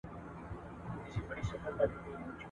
له اوله خدای پیدا کړم له خزان سره همزولی !.